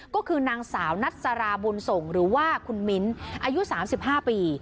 ก็คือนางสาวนัทสาราบุญสงศ์หรือว่าคุณมิ้นอายุสามสิบห้าปี